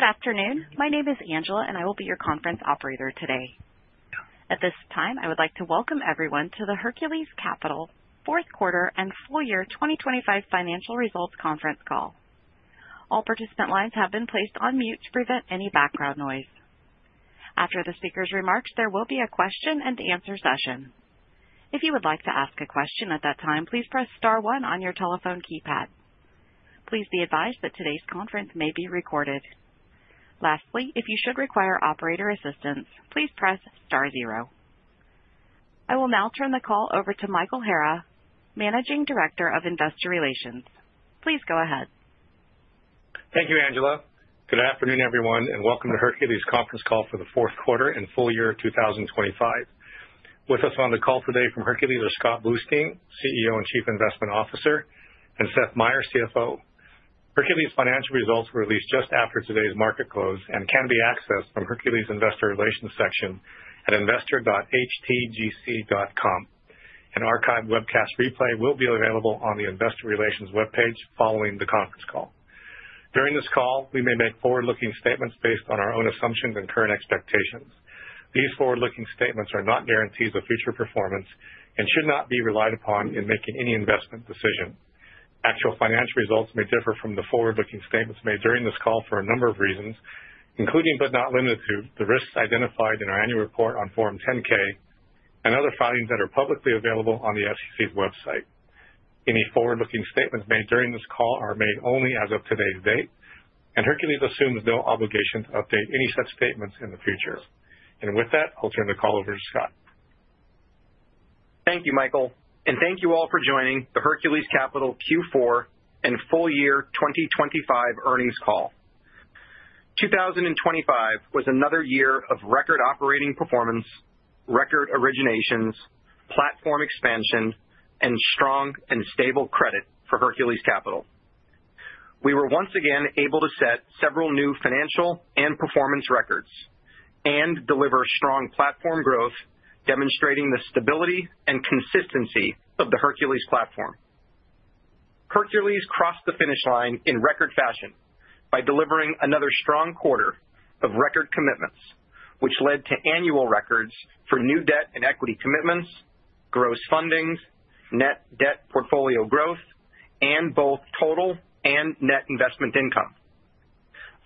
Good afternoon. My name is Angela, and I will be your conference operator today. At this time, I would like to welcome everyone to the Hercules Capital fourth quarter and full year 2025 financial results conference call. All participant lines have been placed on mute to prevent any background noise. After the speaker's remarks, there will be a question and answer session. If you would like to ask a question at that time, please press star one on your telephone keypad. Please be advised that today's conference may be recorded. Lastly, if you should require operator assistance, please press star zero. I will now turn the call over to Michael Hara, Managing Director of Investor Relations. Please go ahead. Thank you, Angela. Good afternoon, everyone, and welcome to Hercules conference call for the fourth quarter and full year 2025. With us on the call today from Hercules are Scott Bluestein, CEO and Chief Investment Officer, and Seth Meyer, CFO. Hercules financial results were released just after today's market close and can be accessed from Hercules Investor Relations section at investor.htgc.com. An archived webcast replay will be available on the Investor Relations webpage following the conference call. During this call, we may make forward-looking statements based on our own assumptions and current expectations. These forward-looking statements are not guarantees of future performance and should not be relied upon in making any investment decisions. Actual financial results may differ from the forward-looking statements made during this call for a number of reasons, including, but not limited to, the risks identified in our annual report on Form 10-K and other filings that are publicly available on the SEC's website. Any forward-looking statements made during this call are made only as of today's date, and Hercules assumes no obligation to update any such statements in the future. With that, I'll turn the call over to Scott. Thank you, Michael, and thank you all for joining the Hercules Capital Q4 and full year 2025 earnings call. 2025 was another year of record operating performance, record originations, platform expansion, and strong and stable credit for Hercules Capital. We were once again able to set several new financial and performance records and deliver strong platform growth, demonstrating the stability and consistency of the Hercules platform. Hercules crossed the finish line in record fashion by delivering another strong quarter of record commitments, which led to annual records for new debt and equity commitments, gross fundings, net debt portfolio growth, and both total and net investment income.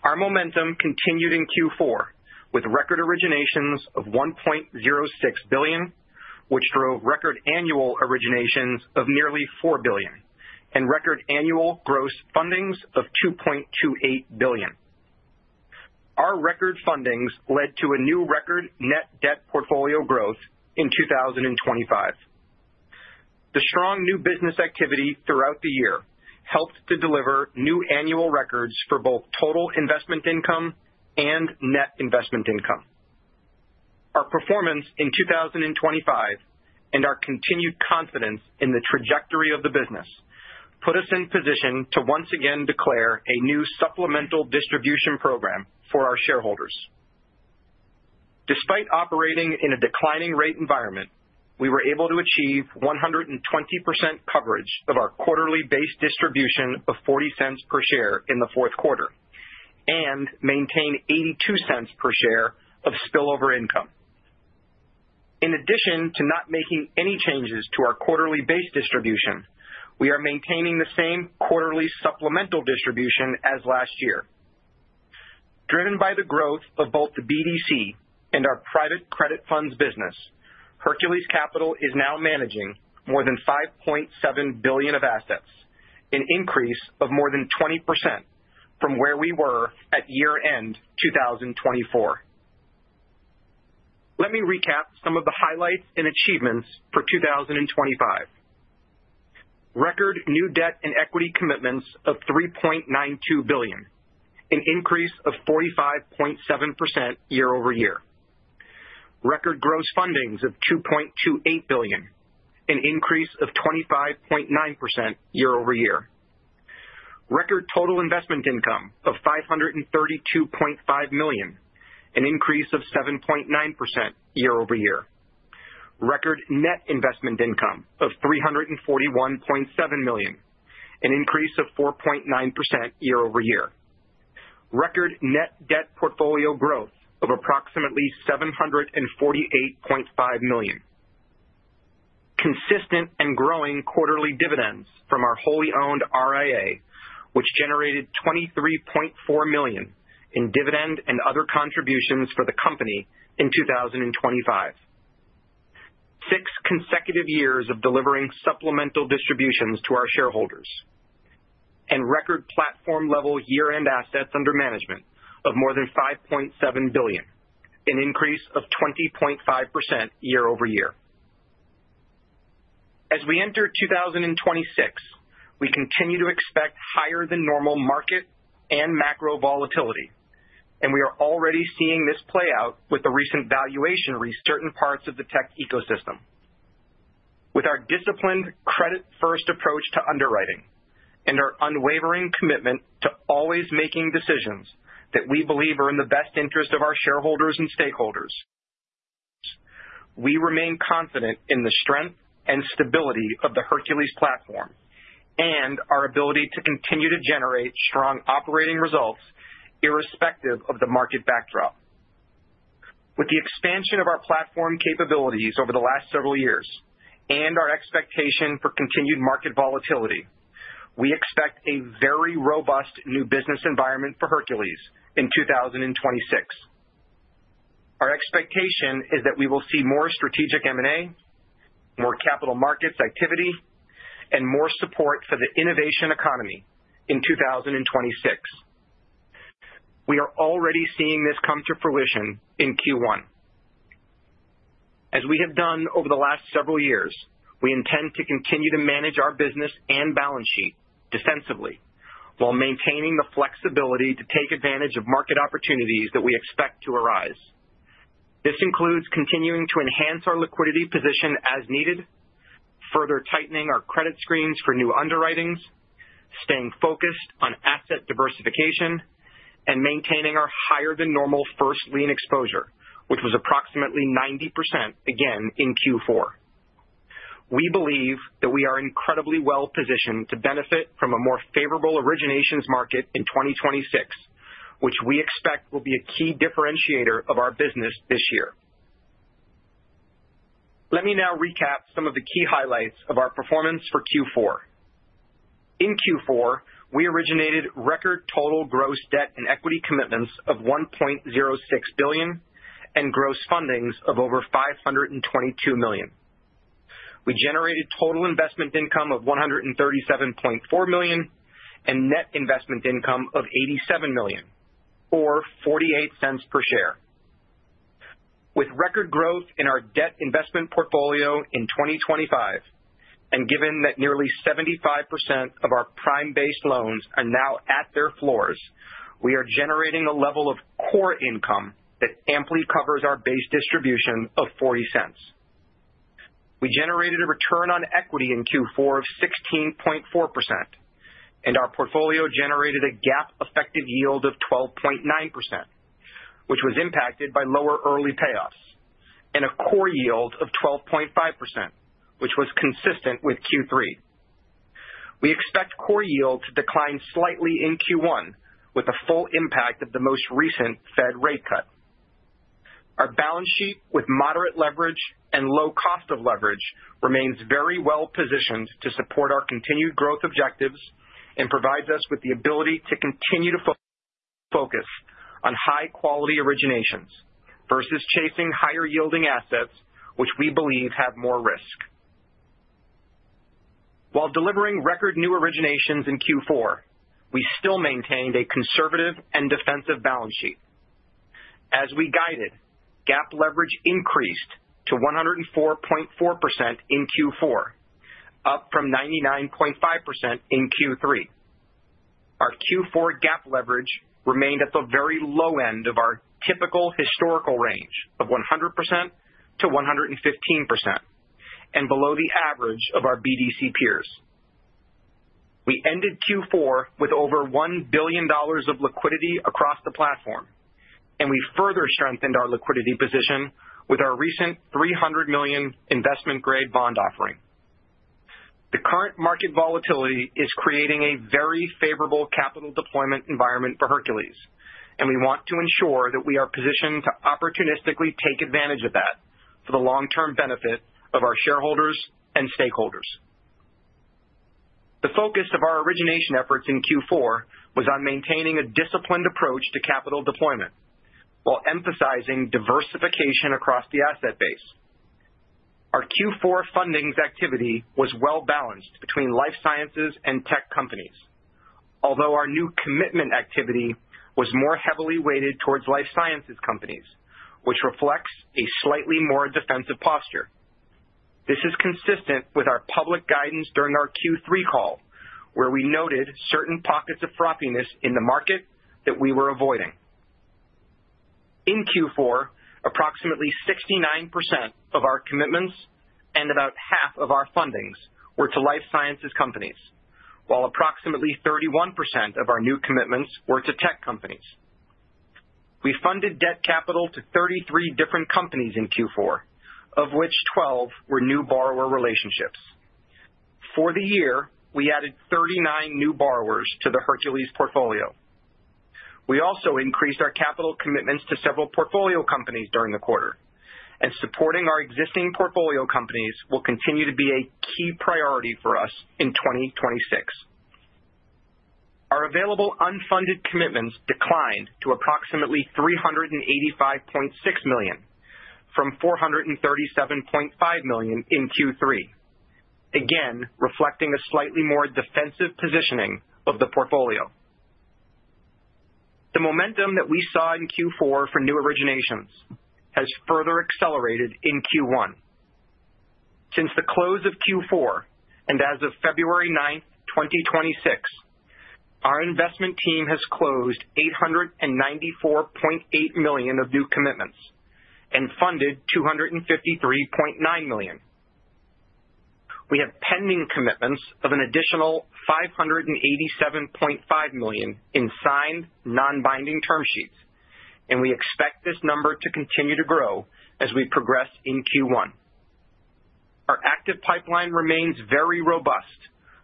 Our momentum continued in Q4 with record originations of $1.06 billion, which drove record annual originations of nearly $4 billion and record annual gross fundings of $2.28 billion. Our record fundings led to a new record net debt portfolio growth in 2025. The strong new business activity throughout the year helped to deliver new annual records for both total investment income and net investment income. Our performance in 2025 and our continued confidence in the trajectory of the business put us in position to once again declare a new supplemental distribution program for our shareholders. Despite operating in a declining rate environment, we were able to achieve 120% coverage of our quarterly base distribution of $0.40 per share in the fourth quarter and maintain $0.82 per share of spillover income. In addition to not making any changes to our quarterly base distribution, we are maintaining the same quarterly supplemental distribution as last year. Driven by the growth of both the BDC and our private credit funds business, Hercules Capital is now managing more than $5.7 billion of assets, an increase of more than 20% from where we were at year-end 2024. Let me recap some of the highlights and achievements for 2025. Record new debt and equity commitments of $3.92 billion, an increase of 45.7% year-over-year. Record gross fundings of $2.28 billion, an increase of 25.9% year-over-year. Record total investment income of $532.5 million, an increase of 7.9% year-over-year. Record net investment income of $341.7 million, an increase of 4.9% year-over-year. Record net debt portfolio growth of approximately $748.5 million. Consistent and growing quarterly dividends from our wholly owned RIA, which generated $23.4 million in dividend and other contributions for the company in 2025. Six consecutive years of delivering supplemental distributions to our shareholders. And record platform-level year-end assets under management of more than $5.7 billion, an increase of 20.5% year-over-year. As we enter 2026, we continue to expect higher than normal market and macro volatility, and we are already seeing this play out with the recent valuation reset in certain parts of the tech ecosystem. With our disciplined credit-first approach to underwriting and our unwavering commitment to always making decisions that we believe are in the best interest of our shareholders and stakeholders. We remain confident in the strength and stability of the Hercules platform and our ability to continue to generate strong operating results irrespective of the market backdrop. With the expansion of our platform capabilities over the last several years and our expectation for continued market volatility, we expect a very robust new business environment for Hercules in 2026. Our expectation is that we will see more strategic M&A, more capital markets activity, and more support for the innovation economy in 2026. We are already seeing this come to fruition in Q1. As we have done over the last several years, we intend to continue to manage our business and balance sheet defensively, while maintaining the flexibility to take advantage of market opportunities that we expect to arise. This includes continuing to enhance our liquidity position as needed, further tightening our credit screens for new underwritings, staying focused on asset diversification, and maintaining our higher than normal first lien exposure, which was approximately 90% again in Q4. We believe that we are incredibly well positioned to benefit from a more favorable originations market in 2026, which we expect will be a key differentiator of our business this year. Let me now recap some of the key highlights of our performance for Q4. In Q4, we originated record total gross debt and equity commitments of $1.06 billion and gross fundings of over $522 million. We generated total investment income of $137.4 million and net investment income of $87 million, or $0.48 per share. With record growth in our debt investment portfolio in 2025, and given that nearly 75% of our prime-based loans are now at their floors, we are generating a level of core income that amply covers our base distribution of $0.40. We generated a return on equity in Q4 of 16.4%, and our portfolio generated a GAAP effective yield of 12.9%, which was impacted by lower early payoffs, and a core yield of 12.5%, which was consistent with Q3. We expect core yield to decline slightly in Q1, with the full impact of the most recent Fed rate cut. Our balance sheet, with moderate leverage and low cost of leverage, remains very well positioned to support our continued growth objectives and provides us with the ability to continue to focus on high-quality originations versus chasing higher-yielding assets, which we believe have more risk. While delivering record new originations in Q4, we still maintained a conservative and defensive balance sheet. As we guided, GAAP leverage increased to 104.4% in Q4, up from 99.5% in Q3. Our Q4 GAAP leverage remained at the very low end of our typical historical range of 100%-115% and below the average of our BDC peers. We ended Q4 with over $1 billion of liquidity across the platform, and we further strengthened our liquidity position with our recent $300 million investment-grade bond offering. The current market volatility is creating a very favorable capital deployment environment for Hercules, and we want to ensure that we are positioned to opportunistically take advantage of that for the long-term benefit of our shareholders and stakeholders. The focus of our origination efforts in Q4 was on maintaining a disciplined approach to capital deployment while emphasizing diversification across the asset base. Our Q4 fundings activity was well balanced between life sciences and tech companies, although our new commitment activity was more heavily weighted towards life sciences companies, which reflects a slightly more defensive posture. This is consistent with our public guidance during our Q3 call, where we noted certain pockets of frothiness in the market that we were avoiding. In Q4, approximately 69% of our commitments and about half of our fundings were to life sciences companies, while approximately 31% of our new commitments were to tech companies. We funded debt capital to 33 different companies in Q4, of which 12 were new borrower relationships. For the year, we added 39 new borrowers to the Hercules portfolio. We also increased our capital commitments to several portfolio companies during the quarter, and supporting our existing portfolio companies will continue to be a key priority for us in 2026. Our available unfunded commitments declined to approximately $385.6 million, from $437.5 million in Q3, again, reflecting a slightly more defensive positioning of the portfolio. The momentum that we saw in Q4 for new originations has further accelerated in Q1. Since the close of Q4, and as of February 9th, 2026, our investment team has closed $894.8 million of new commitments and funded $253.9 million. We have pending commitments of an additional $587.5 million in signed, non-binding term sheets, and we expect this number to continue to grow as we progress in Q1. Our active pipeline remains very robust,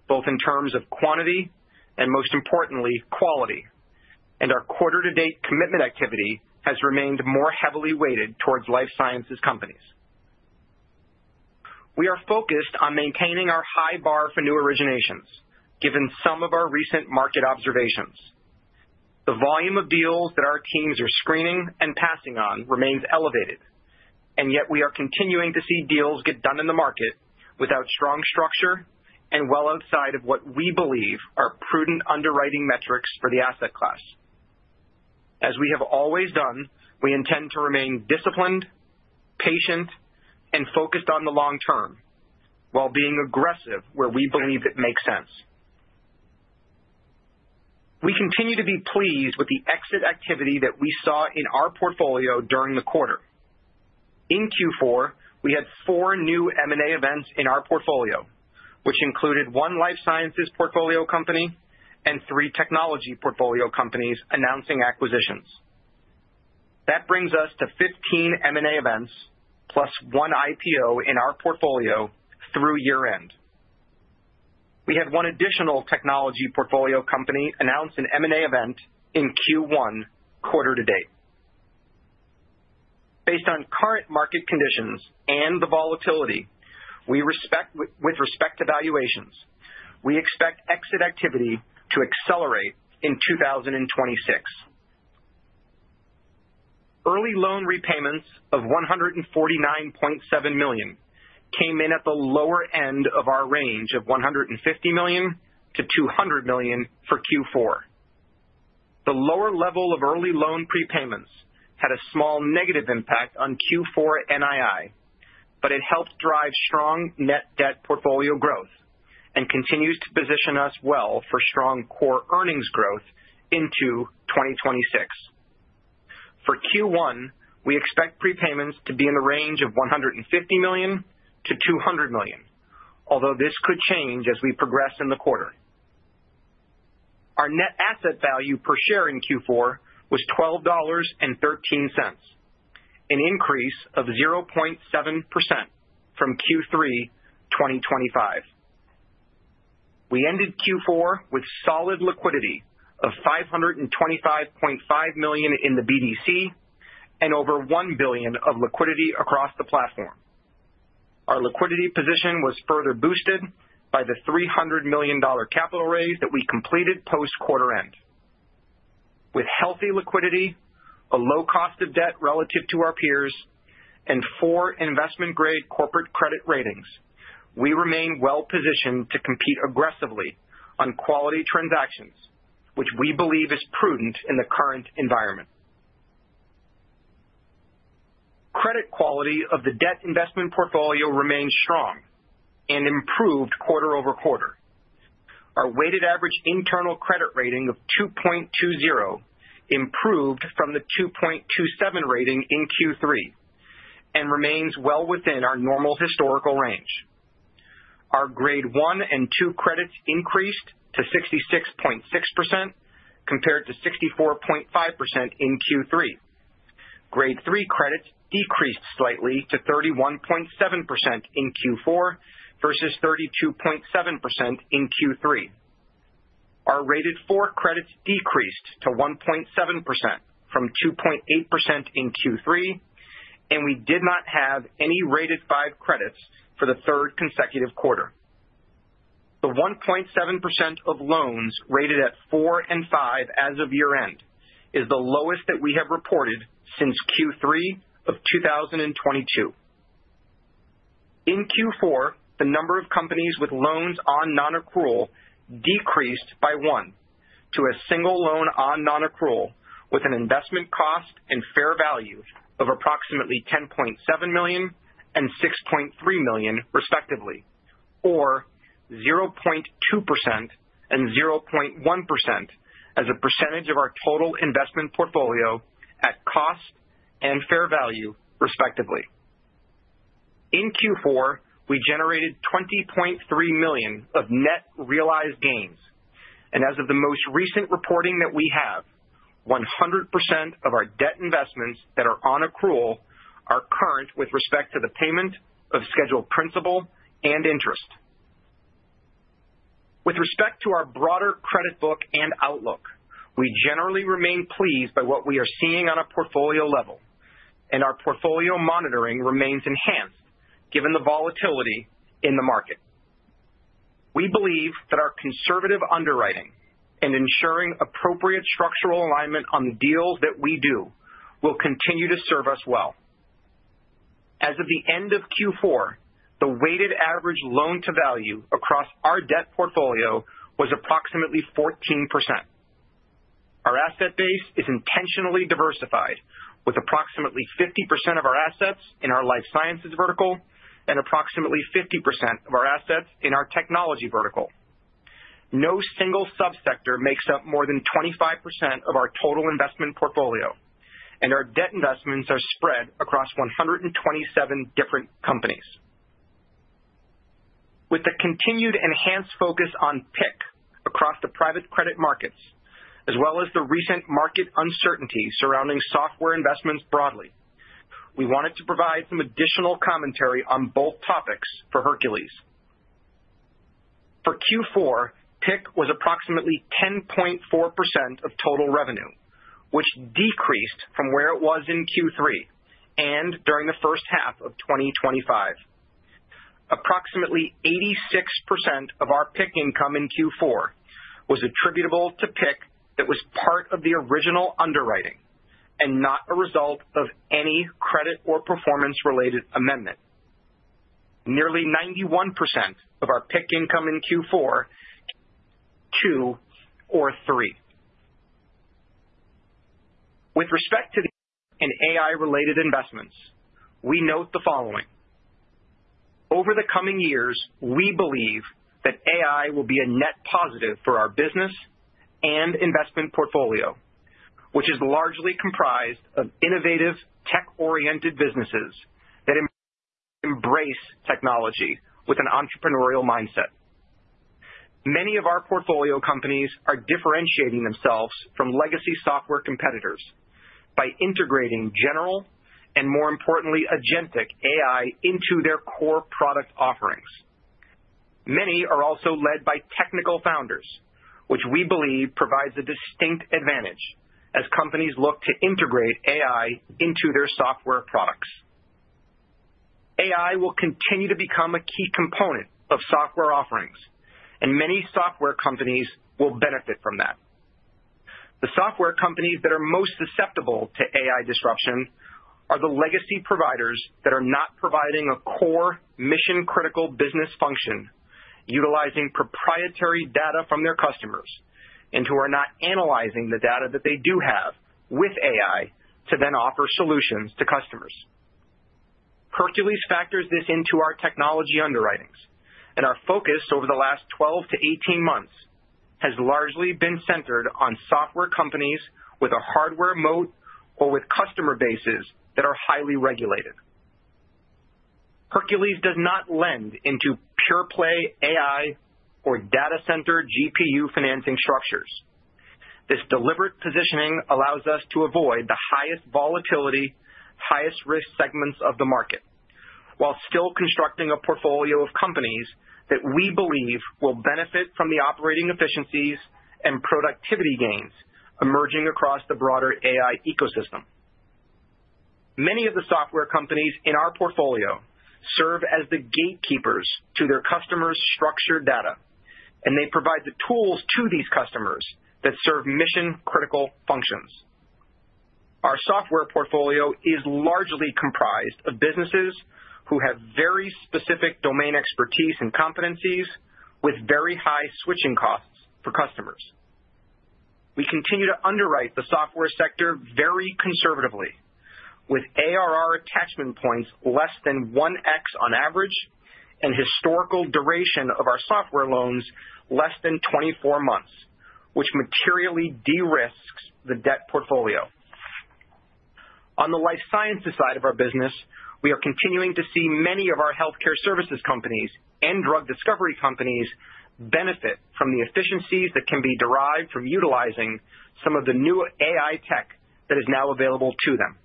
both in terms of quantity and, most importantly, quality, and our quarter-to-date commitment activity has remained more heavily weighted towards life sciences companies. We are focused on maintaining our high bar for new originations, given some of our recent market observations. The volume of deals that our teams are screening and passing on remains elevated, and yet we are continuing to see deals get done in the market without strong structure and well outside of what we believe are prudent underwriting metrics for the asset class. As we have always done, we intend to remain disciplined, patient, and focused on the long term while being aggressive where we believe it makes sense. We continue to be pleased with the exit activity that we saw in our portfolio during the quarter. In Q4, we had four new M&A events in our portfolio, which included one life sciences portfolio company and three technology portfolio companies announcing acquisitions. That brings us to 15 M&A events plus one IPO in our portfolio through year-end. We had one additional technology portfolio company announce an M&A event in Q1 quarter to date. Based on current market conditions and the volatility, with respect to valuations, we expect exit activity to accelerate in 2026. Early loan repayments of $149.7 million came in at the lower end of our range of $150 million-$200 million for Q4. The lower level of early loan prepayments had a small negative impact on Q4 NII, but it helped drive strong net debt portfolio growth and continues to position us well for strong core earnings growth into 2026. For Q1, we expect prepayments to be in the range of $150 million-$200 million, although this could change as we progress in the quarter. Our net asset value per share in Q4 was $12.13, an increase of 0.7% from Q3 2025. We ended Q4 with solid liquidity of $525.5 million in the BDC and over $1 billion of liquidity across the platform. Our liquidity position was further boosted by the $300 million capital raise that we completed post-quarter end. With healthy liquidity, a low cost of debt relative to our peers, and four investment-grade corporate credit ratings, we remain well positioned to compete aggressively on quality transactions, which we believe is prudent in the current environment. Credit quality of the debt investment portfolio remains strong and improved quarter-over-quarter. Our weighted average internal credit rating of 2.20 improved from the 2.27 rating in Q3 and remains well within our normal historical range. Our Grade 1 and 2 credits increased to 66.6%, compared to 64.5% in Q3. Grade 3 credits decreased slightly to 31.7% in Q4 versus 32.7% in Q3. Our rated 4 credits decreased to 1.7% from 2.8% in Q3, and we did not have any rated 5 credits for the third consecutive quarter. The 1.7% of loans rated at 4 and 5 as of year-end is the lowest that we have reported since Q3 of 2022. In Q4, the number of companies with loans on nonaccrual decreased by one to a single loan on nonaccrual, with an investment cost and fair value of approximately $10.7 million and $6.3 million, respectively, or 0.2% and 0.1% as a percentage of our total investment portfolio at cost and fair value, respectively. In Q4, we generated $20.3 million of net realized gains, and as of the most recent reporting that we have, 100% of our debt investments that are on accrual are current with respect to the payment of scheduled principal and interest. With respect to our broader credit book and outlook, we generally remain pleased by what we are seeing on a portfolio level, and our portfolio monitoring remains enhanced given the volatility in the market. We believe that our conservative underwriting and ensuring appropriate structural alignment on the deals that we do will continue to serve us well. As of the end of Q4, the weighted average loan-to-value across our debt portfolio was approximately 14%. Our asset base is intentionally diversified, with approximately 50% of our assets in our life sciences vertical and approximately 50% of our assets in our technology vertical. No single sub-sector makes up more than 25% of our total investment portfolio, and our debt investments are spread across 127 different companies. With the continued enhanced focus on PIK across the private credit markets, as well as the recent market uncertainty surrounding software investments broadly, we wanted to provide some additional commentary on both topics for Hercules. For Q4, PIK was approximately 10.4% of total revenue, which decreased from where it was in Q3 and during the first half of 2025. Approximately 86% of our PIK income in Q4 was attributable to PIK that was part of the original underwriting and not a result of any credit or performance-related amendment. Nearly 91% of our PIK income in Q4, was rated 2 or 3. With respect to the AI-related investments, we note the following: Over the coming years, we believe that AI will be a net positive for our business and investment portfolio, which is largely comprised of innovative, tech-oriented businesses that embrace technology with an entrepreneurial mindset. Many of our portfolio companies are differentiating themselves from legacy software competitors by integrating general and, more importantly, agentic AI into their core product offerings. Many are also led by technical founders, which we believe provides a distinct advantage as companies look to integrate AI into their software products. AI will continue to become a key component of software offerings, and many software companies will benefit from that. The software companies that are most susceptible to AI disruption are the legacy providers that are not providing a core mission-critical business function, utilizing proprietary data from their customers, and who are not analyzing the data that they do have with AI to then offer solutions to customers. Hercules factors this into our technology underwritings, and our focus over the last 12-18 months has largely been centered on software companies with a hardware moat or with customer bases that are highly regulated. Hercules does not lend into pure-play AI or data center GPU financing structures. This deliberate positioning allows us to avoid the highest volatility, highest risk segments of the market, while still constructing a portfolio of companies that we believe will benefit from the operating efficiencies and productivity gains emerging across the broader AI ecosystem. Many of the software companies in our portfolio serve as the gatekeepers to their customers' structured data, and they provide the tools to these customers that serve mission-critical functions. Our software portfolio is largely comprised of businesses who have very specific domain expertise and competencies with very high switching costs for customers. We continue to underwrite the software sector very conservatively, with ARR attachment points less than 1x on average, and historical duration of our software loans less than 24 months, which materially de-risks the debt portfolio. On the life sciences side of our business, we are continuing to see many of our healthcare services companies and drug discovery companies benefit from the efficiencies that can be derived from utilizing some of the new AI tech that is now available to them.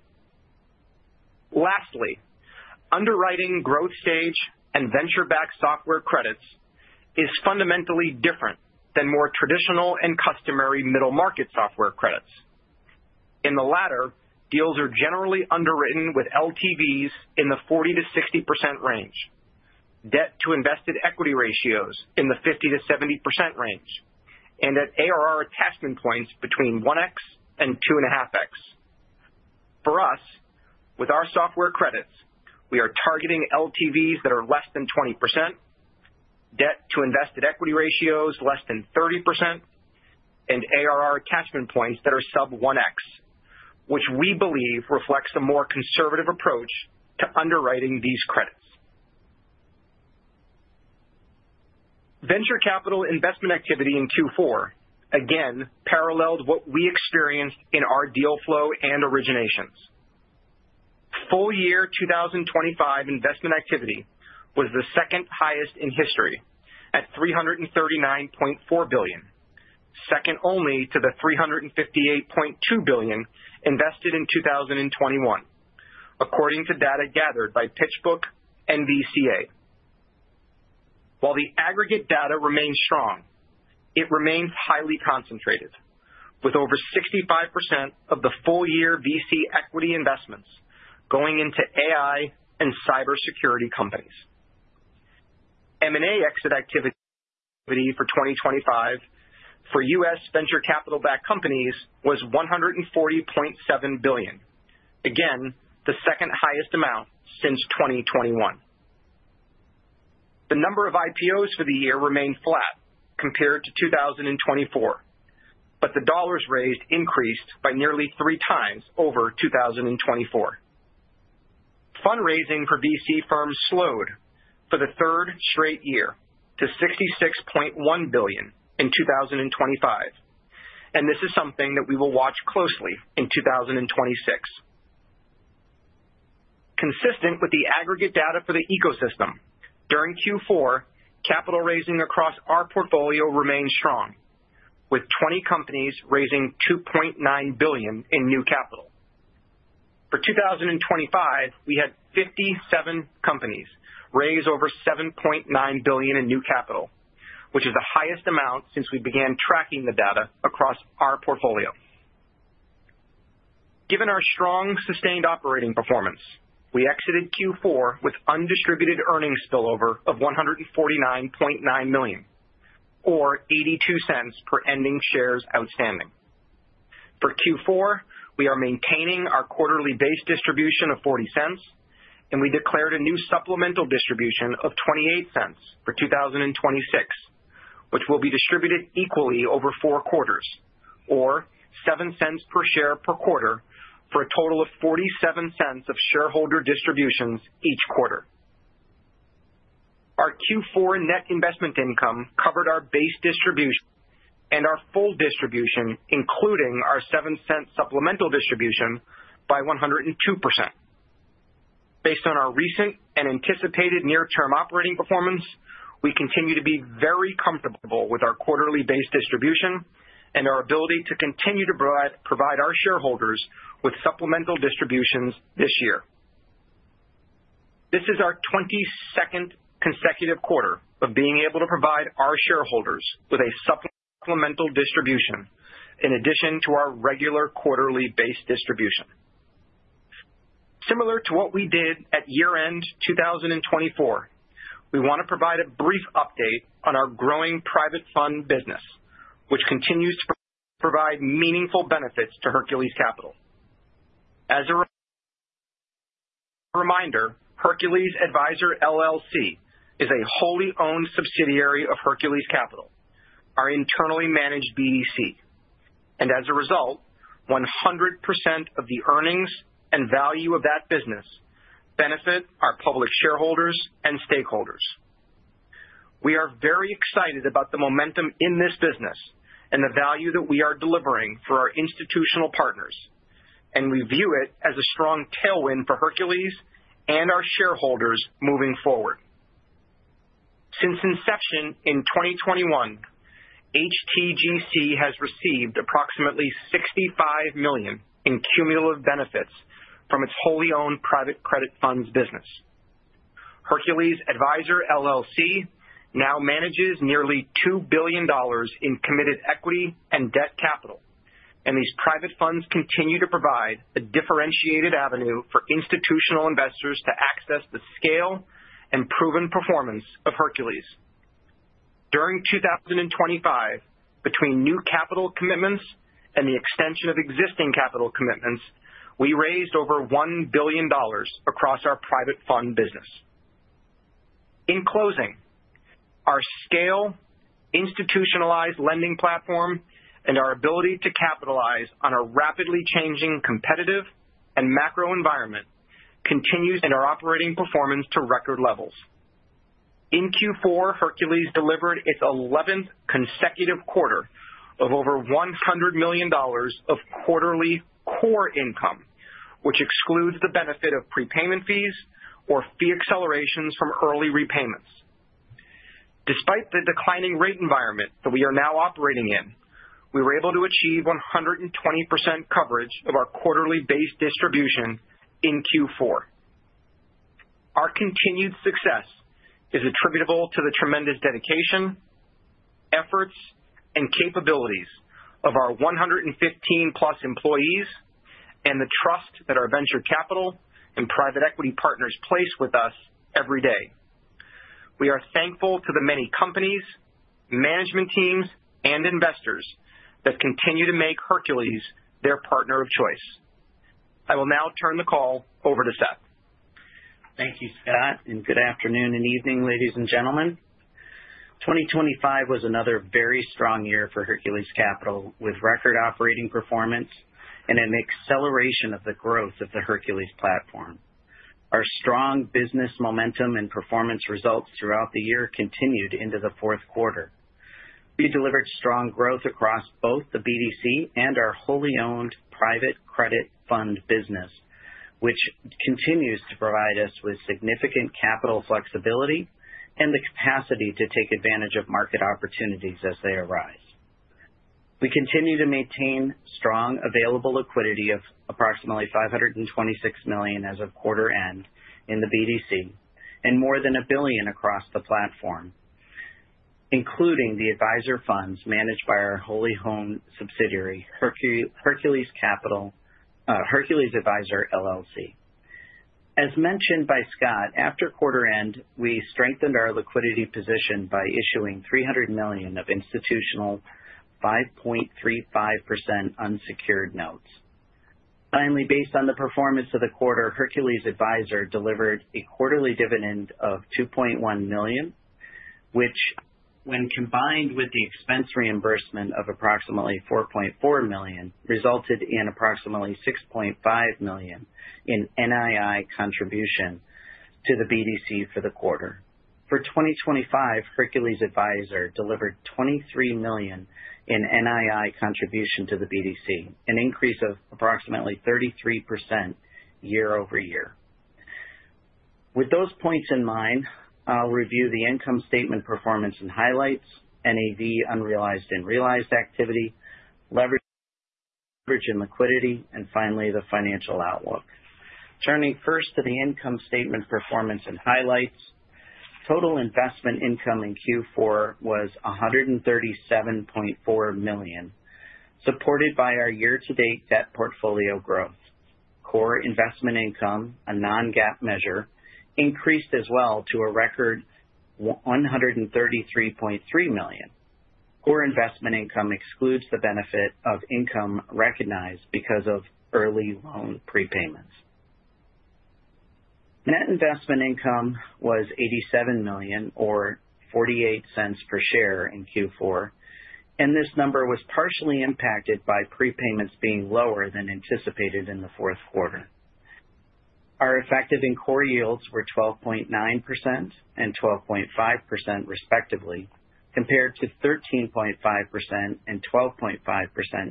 Lastly, underwriting growth stage and venture-backed software credits is fundamentally different than more traditional and customary middle-market software credits. In the latter, deals are generally underwritten with LTVs in the 40%-60% range, debt-to-invested equity ratios in the 50%-70% range, and at ARR attachment points between 1x and 2.5x. For us, with our software credits, we are targeting LTVs that are less than 20%, debt-to-invested equity ratios less than 30%, and ARR attachment points that are sub 1x, which we believe reflects a more conservative approach to underwriting these credits. Venture capital investment activity in Q4 again paralleled what we experienced in our deal flow and originations. Full year 2025 investment activity was the second highest in history at $339.4 billion, second only to the $358.2 billion invested in 2021, according to data gathered by PitchBook-NVCA. While the aggregate data remains strong, it remains highly concentrated, with over 65% of the full-year VC equity investments going into AI and cybersecurity companies. M&A exit activity for 2025 for U.S. venture capital-backed companies was $140.7 billion. Again, the second-highest amount since 2021. The number of IPOs for the year remained flat compared to 2024, but the dollars raised increased by nearly three times over 2024. Fundraising for VC firms slowed for the third straight year to $66.1 billion in 2025, and this is something that we will watch closely in 2026. Consistent with the aggregate data for the ecosystem, during Q4, capital raising across our portfolio remained strong, with 20 companies raising $2.9 billion in new capital. For 2025, we had 57 companies raise over $7.9 billion in new capital, which is the highest amount since we began tracking the data across our portfolio. Given our strong, sustained operating performance, we exited Q4 with undistributed earnings spillover of $149.9 million, or $0.82 per ending shares outstanding. For Q4, we are maintaining our quarterly base distribution of $0.40, and we declared a new supplemental distribution of $0.28 for 2026, which will be distributed equally over four quarters or $0.07 per share per quarter, for a total of $0.47 of shareholder distributions each quarter. Our Q4 net investment income covered our base distribution and our full distribution, including our $0.07 supplemental distribution, by 102%. Based on our recent and anticipated near-term operating performance, we continue to be very comfortable with our quarterly base distribution and our ability to continue to provide our shareholders with supplemental distributions this year. This is our 22nd consecutive quarter of being able to provide our shareholders with a supplemental distribution in addition to our regular quarterly base distribution. Similar to what we did at year-end 2024, we want to provide a brief update on our growing private fund business, which continues to provide meaningful benefits to Hercules Capital. As a reminder, Hercules Adviser LLC is a wholly owned subsidiary of Hercules Capital, our internally managed BDC, and as a result, 100% of the earnings and value of that business benefit our public shareholders and stakeholders. We are very excited about the momentum in this business and the value that we are delivering for our institutional partners, and we view it as a strong tailwind for Hercules and our shareholders moving forward. Since inception in 2021, HTGC has received approximately $65 million in cumulative benefits from its wholly owned private credit funds business. Hercules Adviser LLC now manages nearly $2 billion in committed equity and debt capital, and these private funds continue to provide a differentiated avenue for institutional investors to access the scale and proven performance of Hercules. During 2025, between new capital commitments and the extension of existing capital commitments, we raised over $1 billion across our private fund business. In closing, our scale, institutionalized lending platform, and our ability to capitalize on a rapidly changing, competitive, and macro environment continues in our operating performance to record levels. In Q4, Hercules delivered its 11th consecutive quarter of over $100 million of quarterly core income, which excludes the benefit of prepayment fees or fee accelerations from early repayments. Despite the declining rate environment that we are now operating in, we were able to achieve 120% coverage of our quarterly base distribution in Q4. Our continued success is attributable to the tremendous dedication, efforts, and capabilities of our 115+ employees and the trust that our venture capital and private equity partners place with us every day. We are thankful to the many companies, management teams, and investors that continue to make Hercules their partner of choice. I will now turn the call over to Seth. Thank you, Scott, and good afternoon and evening, ladies and gentlemen. 2025 was another very strong year for Hercules Capital, with record operating performance and an acceleration of the growth of the Hercules platform. Our strong business momentum and performance results throughout the year continued into the fourth quarter. We delivered strong growth across both the BDC and our wholly owned private credit fund business, which continues to provide us with significant capital flexibility and the capacity to take advantage of market opportunities as they arise. We continue to maintain strong available liquidity of approximately $526 million as of quarter end in the BDC, and more than $1 billion across the platform, including the adviser funds managed by our wholly owned subsidiary, Hercules Adviser LLC. As mentioned by Scott, after quarter end, we strengthened our liquidity position by issuing $300 million of institutional 5.35% unsecured notes. Finally, based on the performance of the quarter, Hercules Adviser delivered a quarterly dividend of $2.1 million, which when combined with the expense reimbursement of approximately $4.4 million, resulted in approximately $6.5 million in NII contribution to the BDC for the quarter. For 2025, Hercules Adviser delivered $23 million in NII contribution to the BDC, an increase of approximately 33% year-over-year. With those points in mind, I'll review the income statement performance and highlights, NAV unrealized and realized activity, leverage, leverage and liquidity, and finally, the financial outlook. Turning first to the income statement performance and highlights. Total investment income in Q4 was $137.4 million, supported by our year-to-date debt portfolio growth. Core investment income, a non-GAAP measure, increased as well to a record $133.3 million. Core investment income excludes the benefit of income recognized because of early loan prepayments. Net investment income was $87 million or $0.48 per share in Q4, and this number was partially impacted by prepayments being lower than anticipated in the fourth quarter. Our effective and core yields were 12.9% and 12.5%, respectively, compared to 13.5% and 12.5%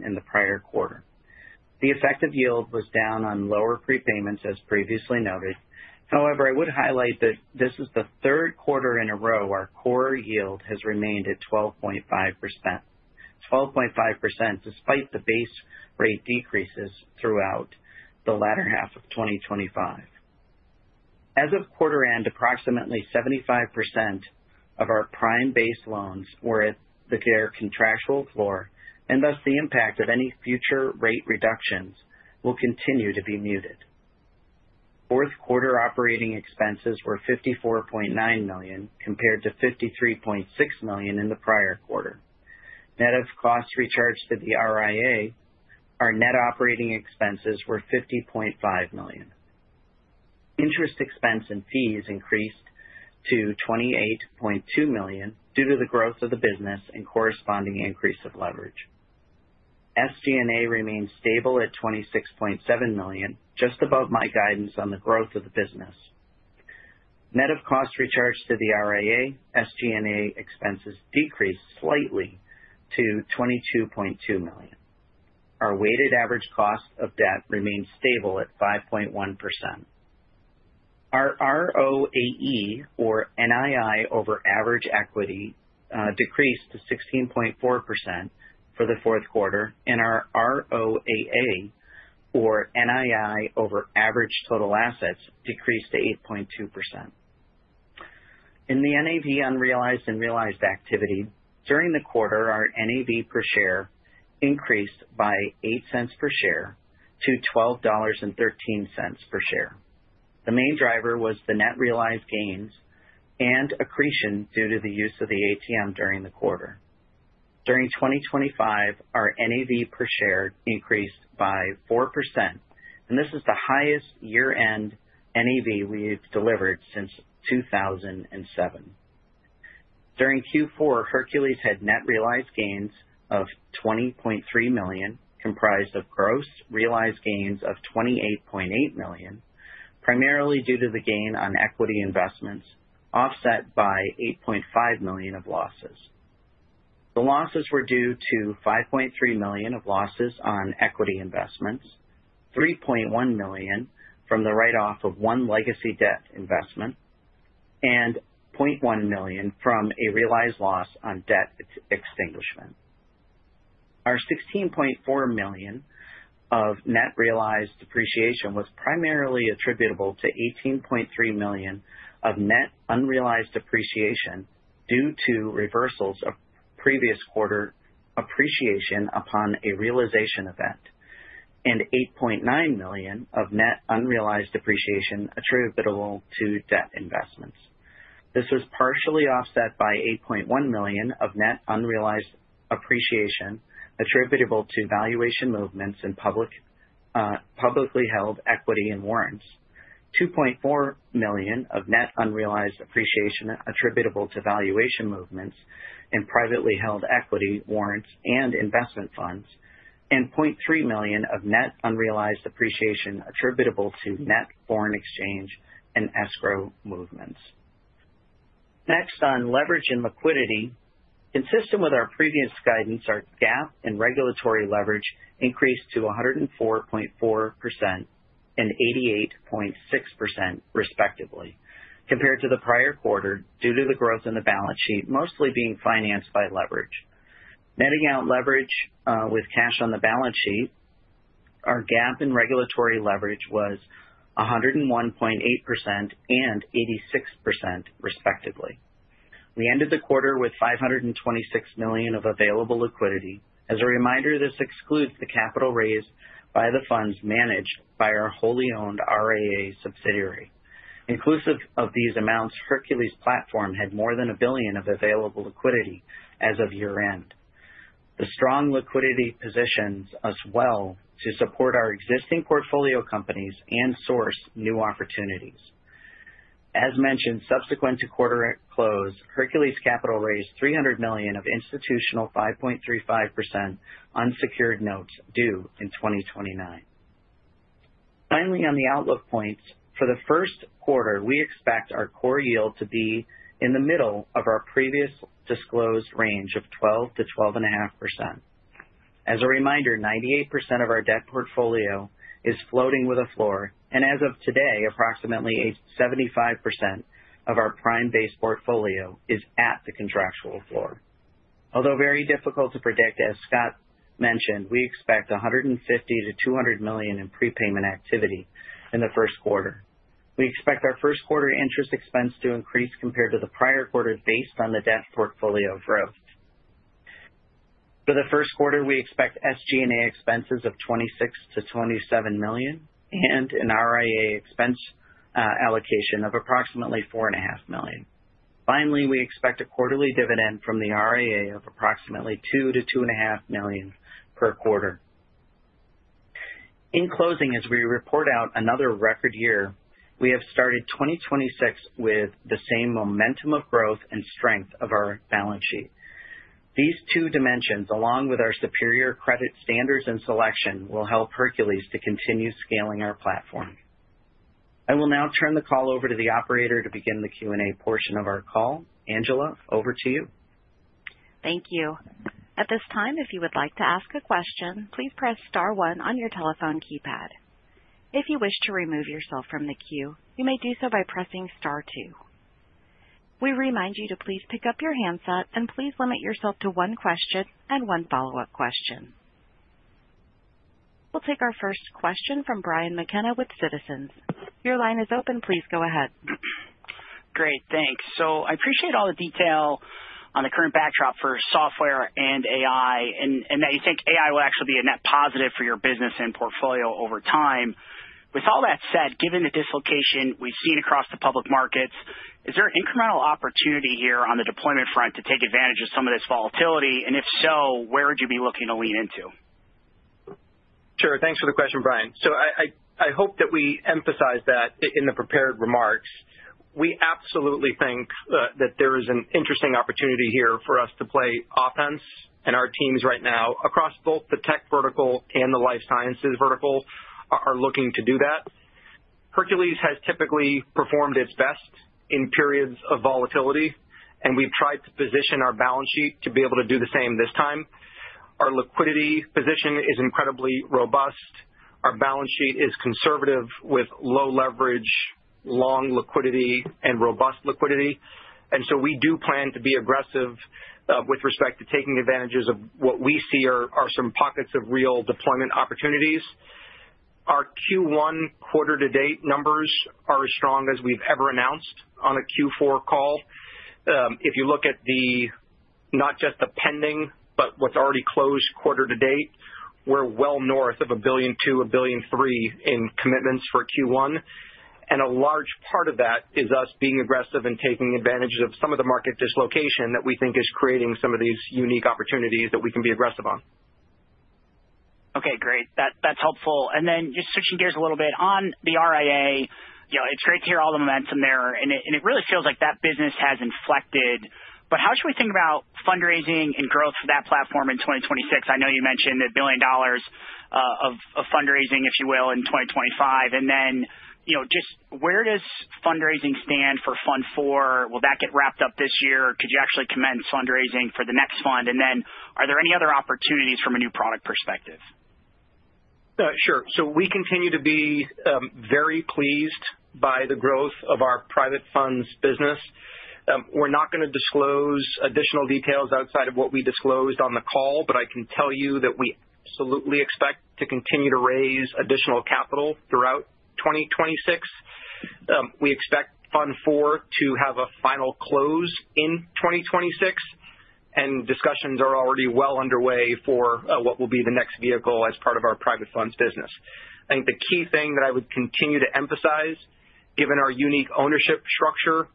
in the prior quarter. The effective yield was down on lower prepayments, as previously noted. However, I would highlight that this is the third quarter in a row our core yield has remained at 12.5%. 12.5%, despite the base rate decreases throughout the latter half of 2025. As of quarter end, approximately 75% of our prime base loans were at their contractual floor, and thus the impact of any future rate reductions will continue to be muted. Fourth quarter operating expenses were $54.9 million, compared to $53.6 million in the prior quarter. Net of costs recharged to the RIA, our net operating expenses were $50.5 million. Interest expense and fees increased to $28.2 million due to the growth of the business and corresponding increase of leverage. SG&A remains stable at $26.7 million, just above my guidance on the growth of the business. Net of cost recharge to the RIA, SG&A expenses decreased slightly to $22.2 million. Our weighted average cost of debt remains stable at 5.1%. Our ROAE, or NII, over average equity, decreased to 16.4% for the fourth quarter, and our ROAA, or NII over average total assets, decreased to 8.2%. In the NAV unrealized and realized activity, during the quarter, our NAV per share increased by $0.08 per share to $12.13 per share. The main driver was the net realized gains and accretion due to the use of the ATM during the quarter. During 2025, our NAV per share increased by 4%, and this is the highest year-end NAV we've delivered since 2007. During Q4, Hercules had net realized gains of $20.3 million, comprised of gross realized gains of $28.8 million, primarily due to the gain on equity investments, offset by $8.5 million of losses. The losses were due to $5.3 million of losses on equity investments, $3.1 million from the write-off of one legacy debt investment, and $0.1 million from a realized loss on debt extinguishment. Our $16.4 million of net realized depreciation was primarily attributable to $18.3 million of net unrealized appreciation due to reversals of previous quarter appreciation upon a realization event, and $8.9 million of net unrealized appreciation attributable to debt investments. This was partially offset by $8.1 million of net unrealized appreciation attributable to valuation movements in public, publicly held equity and warrants, $2.4 million of net unrealized appreciation attributable to valuation movements in privately held equity warrants and investment funds, and $0.3 million of net unrealized appreciation attributable to net foreign exchange and escrow movements. Next, on leverage and liquidity. Consistent with our previous guidance, our GAAP and regulatory leverage increased to 104.4% and 88.6%, respectively, compared to the prior quarter, due to the growth in the balance sheet, mostly being financed by leverage. Netting out leverage, with cash on the balance sheet, our GAAP and regulatory leverage was 101.8% and 86%, respectively. We ended the quarter with $526 million of available liquidity. As a reminder, this excludes the capital raised by the funds managed by our wholly owned RIA subsidiary. Inclusive of these amounts, Hercules platform had more than $1 billion of available liquidity as of year-end. The strong liquidity positions us well to support our existing portfolio companies and source new opportunities. As mentioned, subsequent to quarter at close, Hercules Capital raised $300 million of institutional 5.35% unsecured notes due in 2029. Finally, on the outlook points, for the first quarter, we expect our core yield to be in the middle of our previous disclosed range of 12%-12.5%. As a reminder, 98% of our debt portfolio is floating with a floor, and as of today, approximately 8.75% of our prime-based portfolio is at the contractual floor. Although very difficult to predict, as Scott mentioned, we expect $150 million-$200 million in prepayment activity in the first quarter. We expect our first quarter interest expense to increase compared to the prior quarter based on the debt portfolio growth. For the first quarter, we expect SG&A expenses of $26 million-$27 million and an RIA expense allocation of approximately $4.5 million. Finally, we expect a quarterly dividend from the RIA of approximately $2 million-$2.5 million per quarter. In closing, as we report out another record year, we have started 2026 with the same momentum of growth and strength of our balance sheet. These two dimensions, along with our superior credit standards and selection, will help Hercules to continue scaling our platform. I will now turn the call over to the operator to begin the Q&A portion of our call. Angela, over to you. Thank you. At this time, if you would like to ask a question, please press star one on your telephone keypad. If you wish to remove yourself from the queue, you may do so by pressing star two. We remind you to please pick up your handset and please limit yourself to one question and one follow-up question. We'll take our first question from Brian McKenna with Citizens. Your line is open. Please go ahead. Great, thanks. So I appreciate all the detail on the current backdrop for software and AI, and that you think AI will actually be a net positive for your business and portfolio over time. With all that said, given the dislocation we've seen across the public markets, is there an incremental opportunity here on the deployment front to take advantage of some of this volatility? And if so, where would you be looking to lean into? Sure. Thanks for the question, Brian. So I hope that we emphasized that in the prepared remarks. We absolutely think that there is an interesting opportunity here for us to play offense, and our teams right now, across both the tech vertical and the life sciences vertical, are looking to do that. Hercules has typically performed its best in periods of volatility, and we've tried to position our balance sheet to be able to do the same this time. Our liquidity position is incredibly robust. Our balance sheet is conservative with low leverage, long liquidity and robust liquidity, and so we do plan to be aggressive with respect to taking advantages of what we see are some pockets of real deployment opportunities. Our Q1 quarter to date numbers are as strong as we've ever announced on a Q4 call. If you look at the, not just the pending, but what's already closed quarter to date, we're well north of $1.2 billion-$1.3 billion in commitments for Q1, and a large part of that is us being aggressive and taking advantage of some of the market dislocation that we think is creating some of these unique opportunities that we can be aggressive on. Okay, great. That's helpful. And then just switching gears a little bit on the RIA, you know, it's great to hear all the momentum there, and it really feels like that business has inflected. But how should we think about fundraising and growth for that platform in 2026? I know you mentioned $1 billion of fundraising, if you will, in 2025. And then, you know, just where does fundraising stand for Fund IV? Will that get wrapped up this year, or could you actually commence fundraising for the next fund? And then are there any other opportunities from a new product perspective? Sure. So we continue to be very pleased by the growth of our private funds business. We're not gonna disclose additional details outside of what we disclosed on the call, but I can tell you that we absolutely expect to continue to raise additional capital throughout 2026. We expect Fund IV to have a final close in 2026, and discussions are already well underway for what will be the next vehicle as part of our private funds business. I think the key thing that I would continue to emphasize, given our unique ownership structure,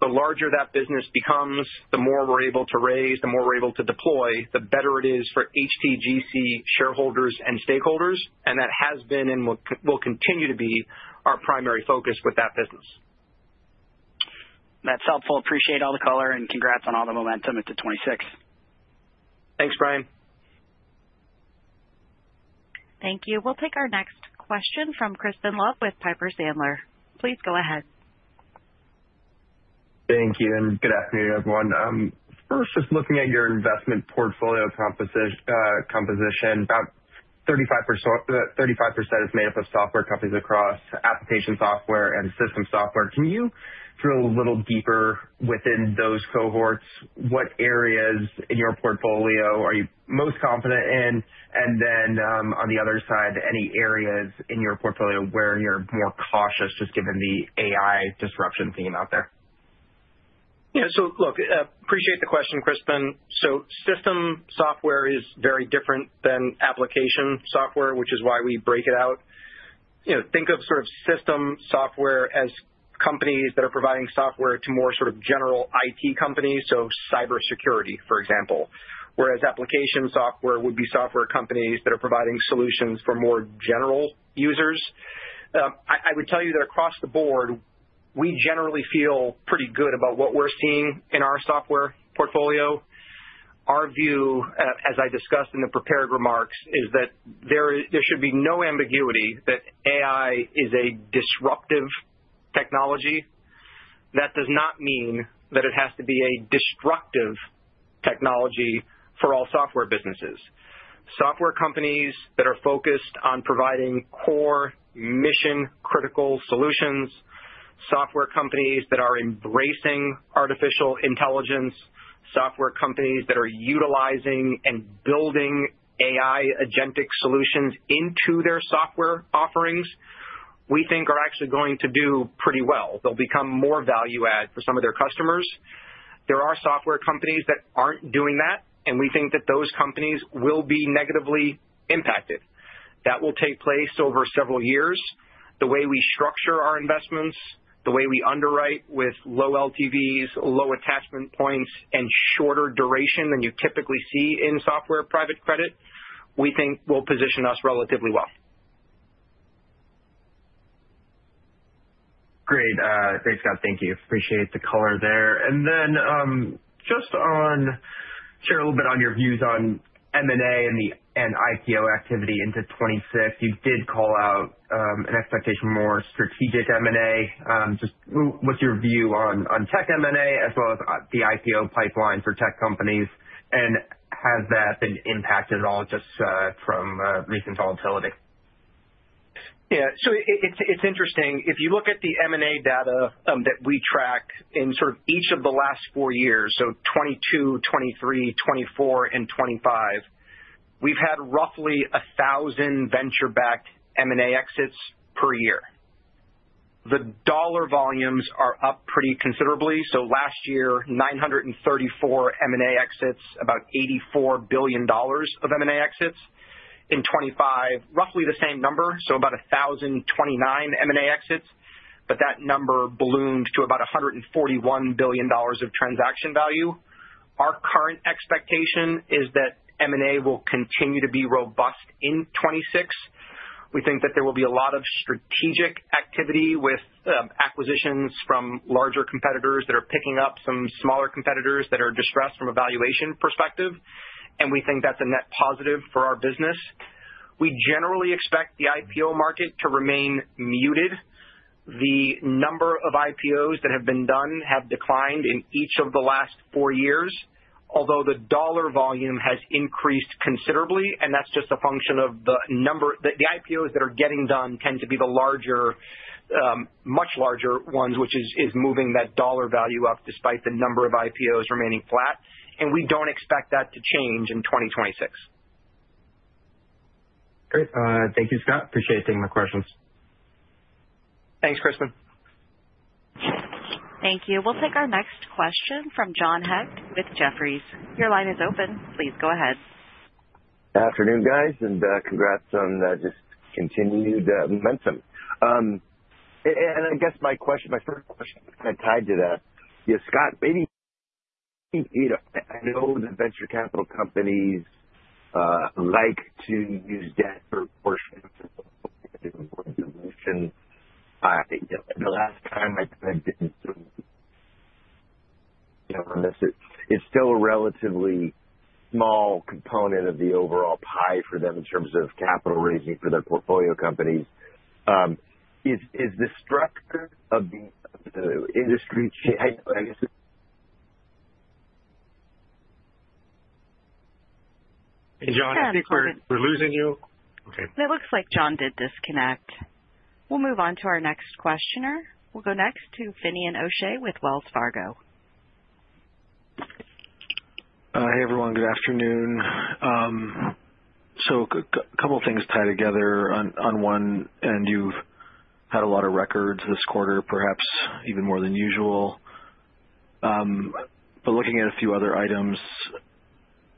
the larger that business becomes, the more we're able to raise, the more we're able to deploy, the better it is for HTGC shareholders and stakeholders, and that has been and will continue to be our primary focus with that business. That's helpful. Appreciate all the color, and congrats on all the momentum into 2026. Thanks, Brian. Thank you. We'll take our next question from Crispin Love with Piper Sandler. Please go ahead. Thank you, and good afternoon, everyone. First, just looking at your investment portfolio composition, about 35%, 35% is made up of software companies across application software and system software. Can you drill a little deeper within those cohorts? What areas in your portfolio are you most confident in? And then, on the other side, any areas in your portfolio where you're more cautious, just given the AI disruption theme out there? Yeah. So look, appreciate the question, Crispin. So system software is very different than application software, which is why we break it out. You know, think of sort of system software as companies that are providing software to more sort of general IT companies, so cybersecurity, for example, whereas application software would be software companies that are providing solutions for more general users. I would tell you that across the board, we generally feel pretty good about what we're seeing in our software portfolio. Our view, as I discussed in the prepared remarks, is that there should be no ambiguity that AI is a disruptive technology. That does not mean that it has to be a destructive technology for all software businesses. Software companies that are focused on providing core mission-critical solutions, software companies that are embracing artificial intelligence, software companies that are utilizing and building AI agentic solutions into their software offerings, we think are actually going to do pretty well. They'll become more value add for some of their customers. There are software companies that aren't doing that, and we think that those companies will be negatively impacted. That will take place over several years. The way we structure our investments, the way we underwrite with low LTVs, low attachment points, and shorter duration than you typically see in software private credit, we think will position us relatively well. Great. Thanks, Scott. Thank you. Appreciate the color there. And then, just on, share a little bit on your views on M&A and the, and IPO activity into 2026. You did call out, an expectation, more strategic M&A. Just what's your view on, on tech M&A as well as, the IPO pipeline for tech companies? And has that been impacted at all just, from, recent volatility? Yeah, so it's interesting. If you look at the M&A data that we tracked in sort of each of the last four years, so 2022, 2023, 2024, and 2025, we've had roughly 1,000 venture-backed M&A exits per year. The dollar volumes are up pretty considerably. So last year, 934 M&A exits, about $84 billion of M&A exits. In 2025, roughly the same number, so about 1,029 M&A exits, but that number ballooned to about $141 billion of transaction value. Our current expectation is that M&A will continue to be robust in 2026. We think that there will be a lot of strategic activity with acquisitions from larger competitors that are picking up some smaller competitors that are distressed from a valuation perspective, and we think that's a net positive for our business. We generally expect the IPO market to remain muted. The number of IPOs that have been done have declined in each of the last four years, although the dollar volume has increased considerably, and that's just a function of the number of IPOs that are getting done tend to be the larger, much larger ones, which is moving that dollar value up despite the number of IPOs remaining flat, and we don't expect that to change in 2026. Great. Thank you, Scott. Appreciate taking my questions. Thanks, Crispin. Thank you. We'll take our next question from John Hecht with Jefferies. Your line is open. Please go ahead. Afternoon, guys, and congrats on just continued momentum. And I guess my question, my first question is kind of tied to that. Yeah, Scott, maybe, you know, I know that venture capital companies like to use debt for a portion of the dilution. The last time I tried business through, it's still a relatively small component of the overall pie for them in terms of capital raising for their portfolio companies. Is the structure of the industry changed? Hey, John, I think we're losing you. Okay. It looks like John did disconnect. We'll move on to our next questioner. We'll go next to Finian O'Shea with Wells Fargo. Hey, everyone. Good afternoon. So couple things tied together. On one, and you've had a lot of records this quarter, perhaps even more than usual. But looking at a few other items,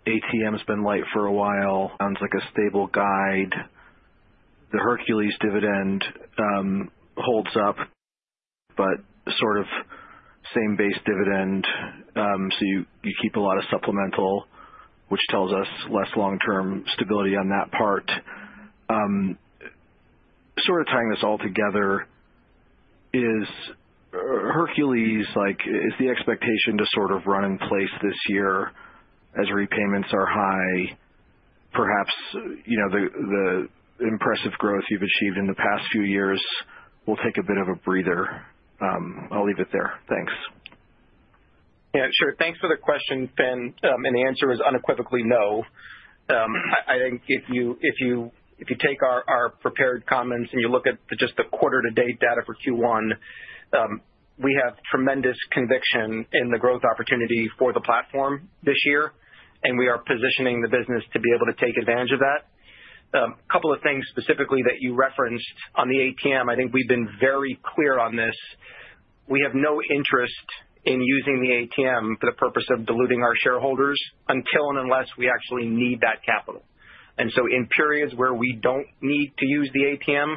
ATM's been light for a while. Sounds like a stable guide. The Hercules dividend holds up, but sort of same base dividend, so you keep a lot of supplemental, which tells us less long-term stability on that part. Sort of tying this all together, is Hercules, like, is the expectation to sort of run in place this year as repayments are high? Perhaps, you know, the impressive growth you've achieved in the past few years will take a bit of a breather. I'll leave it there. Thanks. Yeah, sure. Thanks for the question, Fin. And the answer is unequivocally no. I think if you take our prepared comments and you look at just the quarter to date data for Q1, we have tremendous conviction in the growth opportunity for the platform this year, and we are positioning the business to be able to take advantage of that. A couple of things specifically that you referenced on the ATM. I think we've been very clear on this. We have no interest in using the ATM for the purpose of diluting our shareholders until and unless we actually need that capital. And so in periods where we don't need to use the ATM,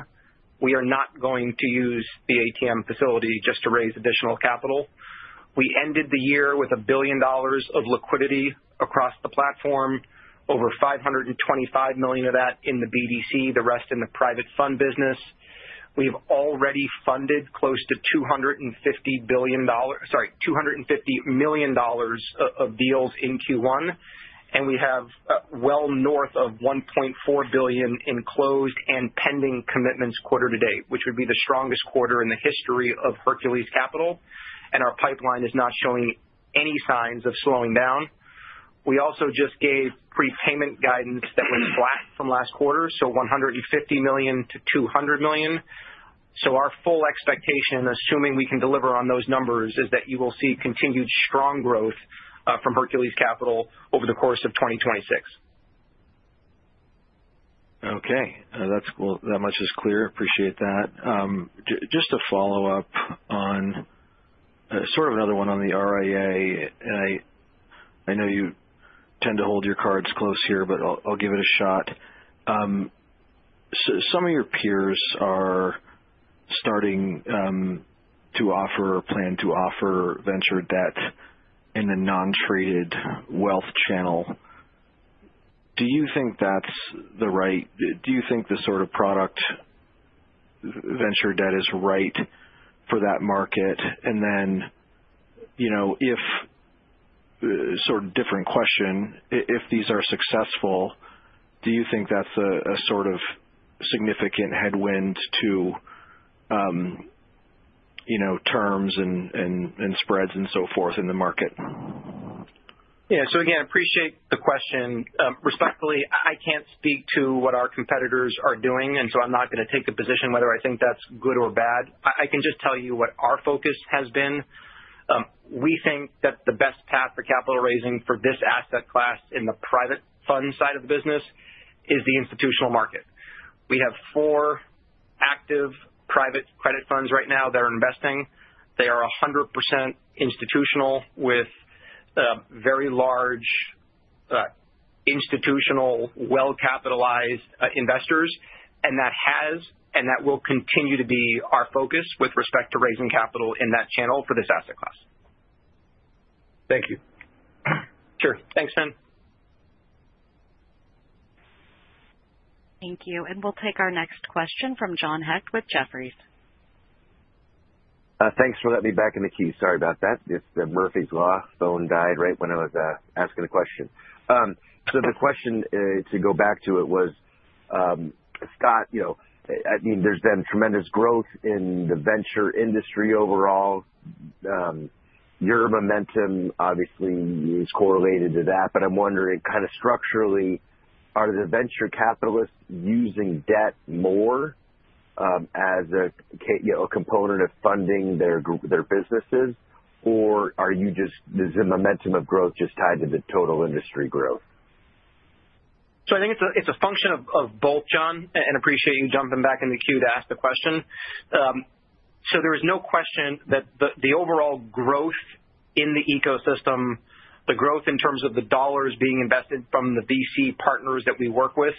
we are not going to use the ATM facility just to raise additional capital. We ended the year with $1 billion of liquidity across the platform, over $525 million of that in the BDC, the rest in the private fund business. We've already funded close to $250 billion, sorry, $250 million of deals in Q1, and we have well north of $1.4 billion in closed and pending commitments quarter to date, which would be the strongest quarter in the history of Hercules Capital, and our pipeline is not showing any signs of slowing down. We also just gave prepayment guidance that was flat from last quarter, so $150 million-$200 million. So our full expectation, assuming we can deliver on those numbers, is that you will see continued strong growth from Hercules Capital over the course of 2026. Okay, that's cool. That much is clear. Appreciate that. Just to follow up on sort of another one on the RIA, and I know you tend to hold your cards close here, but I'll give it a shot. So some of your peers are starting to offer or plan to offer venture debt in the non-traded wealth channel. Do you think the sort of product venture debt is right for that market? And then, you know, if sort of different question, if these are successful, do you think that's a sort of significant headwind to, you know, terms and spreads and so forth in the market? Yeah. So again, I appreciate the question. Respectfully, I can't speak to what our competitors are doing, and so I'm not gonna take a position whether I think that's good or bad. I can just tell you what our focus has been. We think that the best path for capital raising for this asset class in the private fund side of the business is the institutional market. We have four active private credit funds right now that are investing. They are 100% institutional, with very large institutional, well-capitalized investors, and that has, and that will continue to be our focus with respect to raising capital in that channel for this asset class. Thank you. Sure. Thanks, Fin. Thank you. We'll take our next question from John Hecht with Jefferies. Thanks for letting me back in the queue. Sorry about that. It's Murphy's Law. Phone died right when I was asking a question. So the question to go back to it was, Scott, you know, I mean, there's been tremendous growth in the venture industry overall. Your momentum obviously is correlated to that, but I'm wondering kind of structurally, are the venture capitalists using debt more, you know, a component of funding their businesses, or are you just, is the momentum of growth just tied to the total industry growth? So I think it's a function of both, John, and appreciate you jumping back in the queue to ask the question. So there is no question that the overall growth in the ecosystem, the growth in terms of the dollars being invested from the VC partners that we work with,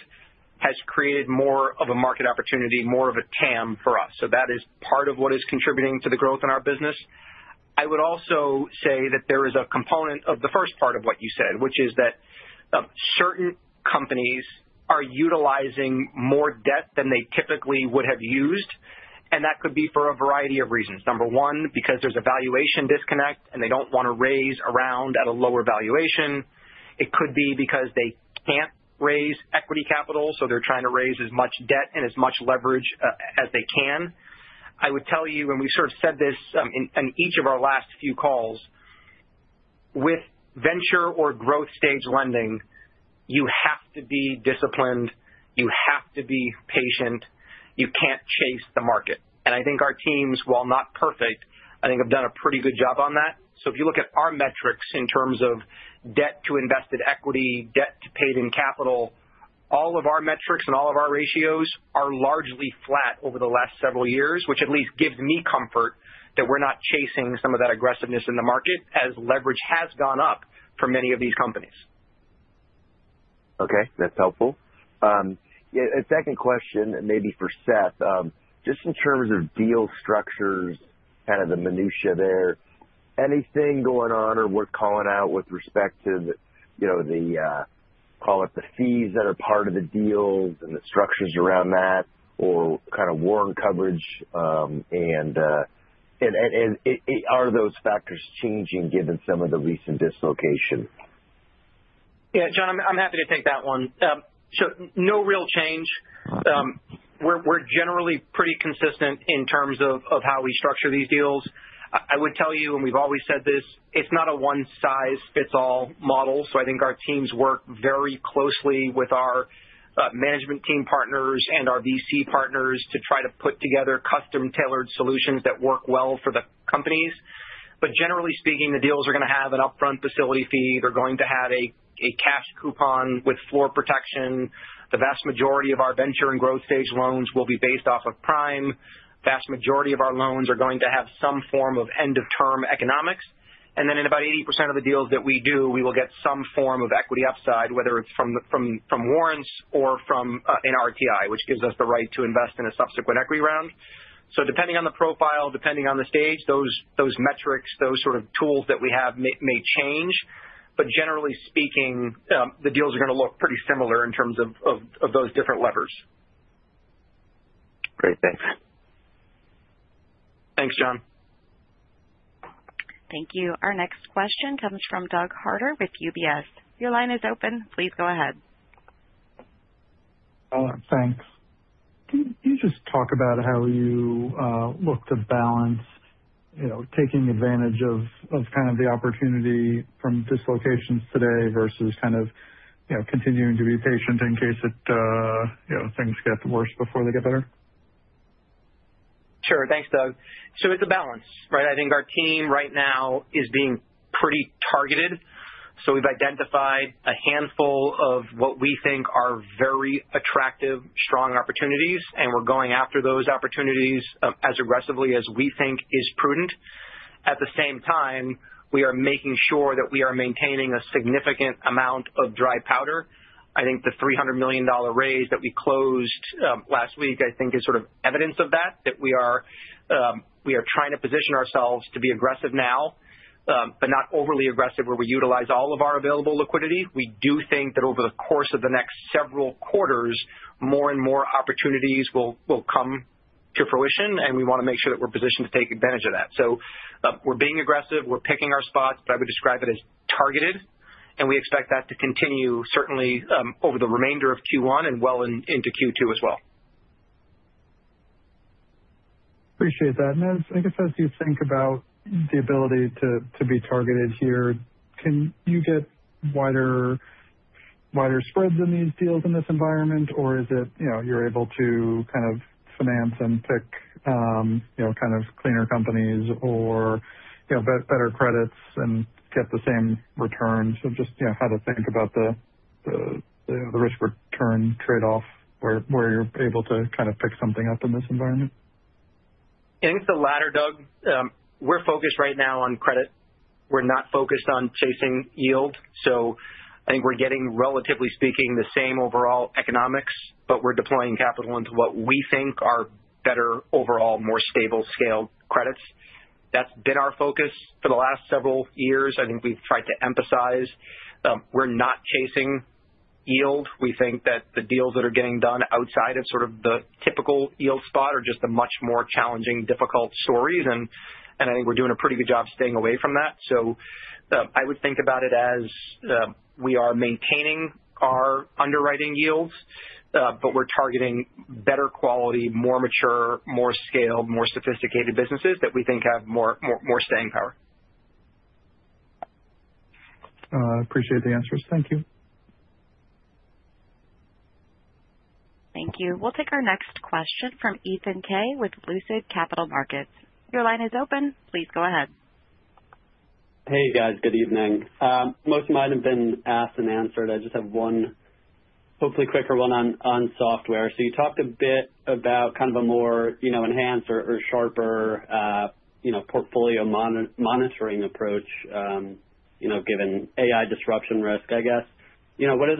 has created more of a market opportunity, more of a TAM for us. So that is part of what is contributing to the growth in our business. I would also say that there is a component of the first part of what you said, which is that certain companies are utilizing more debt than they typically would have used, and that could be for a variety of reasons. Number one, because there's a valuation disconnect, and they don't want to raise around at a lower valuation. It could be because they can't raise equity capital, so they're trying to raise as much debt and as much leverage as they can. I would tell you, and we've sort of said this in each of our last few calls, with venture or growth stage lending, you have to be disciplined, you have to be patient, you can't chase the market. And I think our teams, while not perfect, I think have done a pretty good job on that. So if you look at our metrics in terms of debt to invested equity, debt to paid-in capital, all of our metrics and all of our ratios are largely flat over the last several years, which at least gives me comfort that we're not chasing some of that aggressiveness in the market as leverage has gone up for many of these companies. Okay, that's helpful. Yeah, a second question, and maybe for Seth. Just in terms of deal structures, kind of the minutiae there, anything going on or worth calling out with respect to, you know, the call it, the fees that are part of the deals and the structures around that, or kind of warrant coverage, and are those factors changing given some of the recent dislocation? Yeah, John, I'm happy to take that one. So no real change. Okay. We're generally pretty consistent in terms of how we structure these deals. I would tell you, and we've always said this, it's not a one-size-fits-all model, so I think our teams work very closely with our management team partners and our VC partners to try to put together custom-tailored solutions that work well for the companies. But generally speaking, the deals are going to have an upfront facility fee. They're going to have a cash coupon with floor protection. The vast majority of our venture and growth stage loans will be based off of prime. Vast majority of our loans are going to have some form of end-of-term economics. Then in about 80% of the deals that we do, we will get some form of equity upside, whether it's from warrants or from an RTI, which gives us the right to invest in a subsequent equity round. Depending on the profile, depending on the stage, those metrics, those sort of tools that we have may change, but generally speaking, the deals are gonna look pretty similar in terms of those different levers. Great. Thanks. Thanks, John. Thank you. Our next question comes from Doug Harter with UBS. Your line is open. Please go ahead. Thanks. Can you just talk about how you look to balance, you know, taking advantage of kind of the opportunity from dislocations today versus kind of, you know, continuing to be patient in case it you know, things get worse before they get better? Sure. Thanks, Doug. So it's a balance, right? I think our team right now is being pretty targeted. So we've identified a handful of what we think are very attractive, strong opportunities, and we're going after those opportunities as aggressively as we think is prudent. At the same time, we are making sure that we are maintaining a significant amount of dry powder. I think the $300 million raise that we closed last week, I think is sort of evidence of that, that we are trying to position ourselves to be aggressive now, but not overly aggressive, where we utilize all of our available liquidity. We do think that over the course of the next several quarters, more and more opportunities will come to fruition, and we want to make sure that we're positioned to take advantage of that. So, we're being aggressive. We're picking our spots, but I would describe it as targeted, and we expect that to continue, certainly, over the remainder of Q1 and well in, into Q2 as well. Appreciate that. As I guess, as you think about the ability to be targeted here, can you get wider, wider spreads in these deals in this environment, or is it, you know, you're able to kind of finance and pick, you know, kind of cleaner companies or, you know, better credits and get the same returns? So just, you know, how to think about the risk return trade-off, where you're able to kind of pick something up in this environment. I think it's the latter, Doug. We're focused right now on credit. We're not focused on chasing yield, so I think we're getting, relatively speaking, the same overall economics, but we're deploying capital into what we think are better overall, more stable scaled credits. That's been our focus for the last several years. I think we've tried to emphasize, we're not chasing yield. We think that the deals that are getting done outside of sort of the typical yield spot are just a much more challenging, difficult stories, and I think we're doing a pretty good job staying away from that. So, I would think about it as, we are maintaining our underwriting yields, but we're targeting better quality, more mature, more scaled, more sophisticated businesses that we think have more, more, more staying power. Appreciate the answers. Thank you. Thank you. We'll take our next question from Ethan Kaye with Lucid Capital Markets. Your line is open. Please go ahead. Hey, guys. Good evening. Most of mine have been asked and answered. I just have one, hopefully quicker one on software. So you talked a bit about kind of a more, you know, enhanced or sharper, you know, portfolio monitoring approach, you know, given AI disruption risk, I guess. You know, what are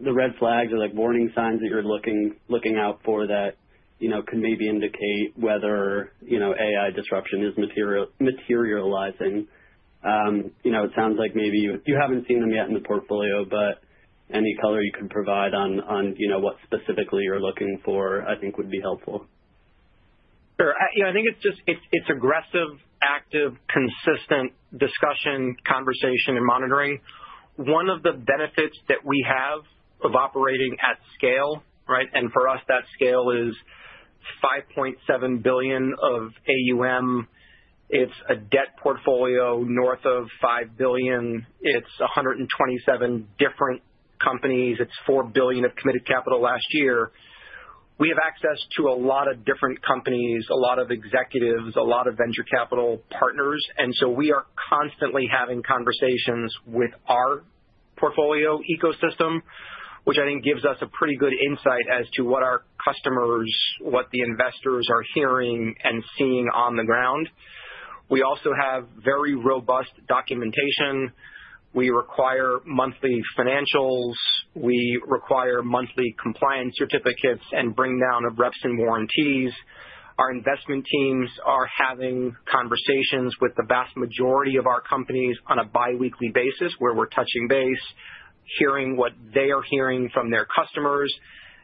the red flags or, like, warning signs that you're looking out for that, you know, can maybe indicate whether, you know, AI disruption is materializing? You know, it sounds like maybe you haven't seen them yet in the portfolio, but any color you could provide on, you know, what specifically you're looking for, I think would be helpful. Sure. I, you know, I think it's just, it's, it's aggressive, active, consistent discussion, conversation, and monitoring. One of the benefits that we have of operating at scale, right? And for us, that scale is $5.7 billion of AUM. It's a debt portfolio, north of $5 billion. It's 127 different companies. It's $4 billion of committed capital last year. We have access to a lot of different companies, a lot of executives, a lot of venture capital partners, and so we are constantly having conversations with our portfolio ecosystem, which I think gives us a pretty good insight as to what our customers, what the investors are hearing and seeing on the ground. We also have very robust documentation. We require monthly financials, we require monthly compliance certificates and bring down of reps and warranties. Our investment teams are having conversations with the vast majority of our companies on a biweekly basis, where we're touching base, hearing what they are hearing from their customers.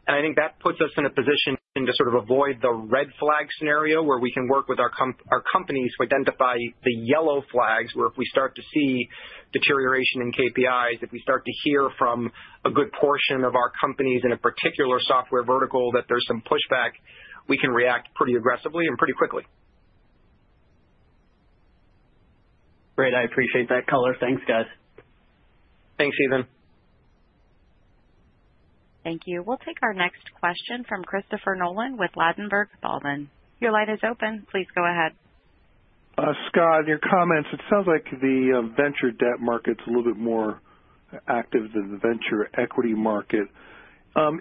I think that puts us in a position to sort of avoid the red flag scenario, where we can work with our companies to identify the yellow flags, where if we start to see deterioration in KPIs, if we start to hear from a good portion of our companies in a particular software vertical, that there's some pushback, we can react pretty aggressively and pretty quickly. Great. I appreciate that color. Thanks, guys. Thanks, Ethan. Thank you. We'll take our next question from Christopher Nolan with Ladenburg Thalmann. Your line is open. Please go ahead. Scott, your comments, it sounds like the venture debt market's a little bit more active than the venture equity market.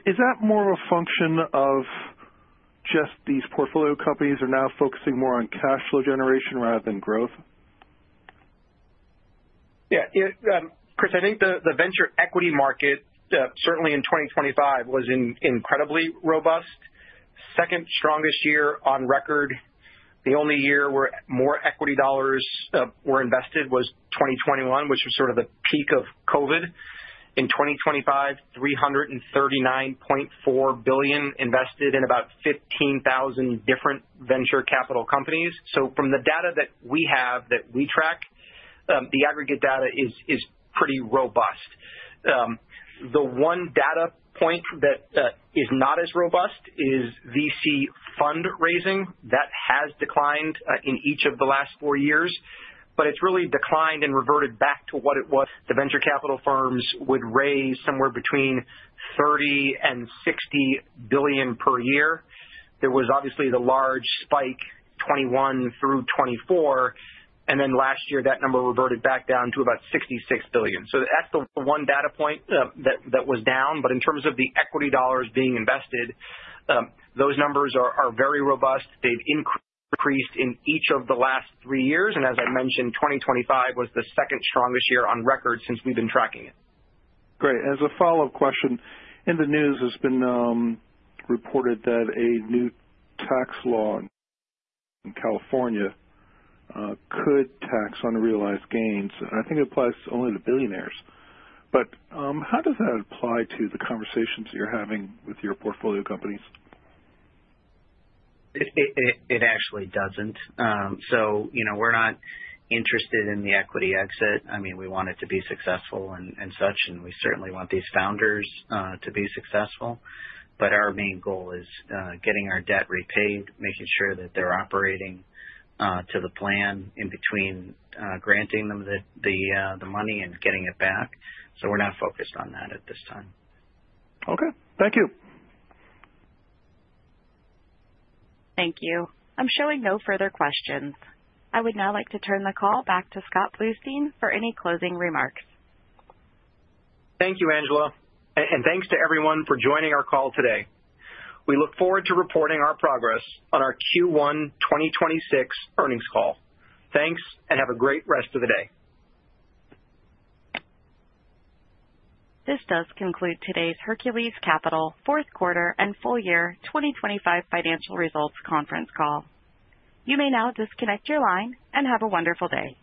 Is that more of a function of just these portfolio companies are now focusing more on cash flow generation rather than growth? Yeah, Chris, I think the venture equity market certainly in 2025 was incredibly robust. Second strongest year on record. The only year where more equity dollars were invested was 2021, which was sort of the peak of COVID. In 2025, $339.4 billion invested in about 15,000 different venture capital companies. So from the data that we have, that we track, the aggregate data is pretty robust. The one data point that is not as robust is VC fundraising. That has declined in each of the last four years, but it's really declined and reverted back to what it was. The venture capital firms would raise somewhere between $30 billion and $60 billion per year. There was obviously the large spike, 2021 through 2024, and then last year, that number reverted back down to about $66 billion. So that's the one data point that was down, but in terms of the equity dollars being invested, those numbers are very robust. They've increased in each of the last three years, and as I mentioned, 2025 was the second strongest year on record since we've been tracking it. Great. As a follow-up question, in the news, it's been reported that a new tax law in California could tax unrealized gains. I think it applies only to billionaires, but how does that apply to the conversations you're having with your portfolio companies? It actually doesn't. So, you know, we're not interested in the equity exit. I mean, we want it to be successful and such, and we certainly want these founders to be successful. But our main goal is getting our debt repaid, making sure that they're operating to the plan in between granting them the money and getting it back. So we're not focused on that at this time. Okay. Thank you. Thank you. I'm showing no further questions. I would now like to turn the call back to Scott Bluestein for any closing remarks. Thank you, Angela, and thanks to everyone for joining our call today. We look forward to reporting our progress on our Q1 2026 earnings call. Thanks, and have a great rest of the day. This does conclude today's Hercules Capital fourth quarter and full year 2025 financial results conference call. You may now disconnect your line and have a wonderful day.